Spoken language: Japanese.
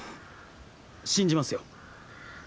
信じますよ。